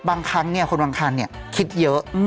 บางครั้งคนบางคันคิดเยอะ